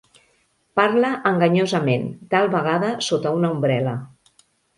Parla enganyosament, tal vegada sota una ombrel·la.